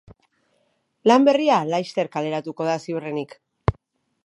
Lan berria laster kaleratuko da ziurrenik.